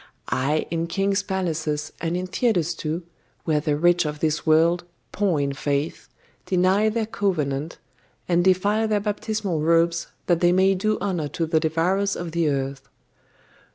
Ay, in king's palaces, and in theatres too, where the rich of this world, poor in faith, deny their covenant, and defile their baptismal robes that they may do honour to the devourers of the earth.